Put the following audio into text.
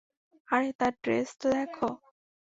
আরে তার ড্রেস তো দেখো!